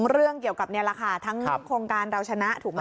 เรื่องเกี่ยวกับนี่แหละค่ะทั้งโครงการเราชนะถูกไหม